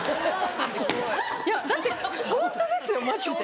いやだってホントですよマジで。